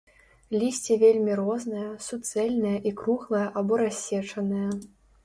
Лісце вельмі рознае, суцэльнае і круглае або рассечанае.